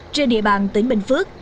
trên địa bàn tỉnh bình phước